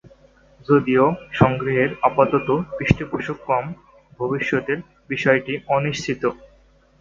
যদিও সংগ্রহের আপাত পৃষ্ঠপোষক কম, ভবিষ্যতের বিষয়টি অনিশ্চিত।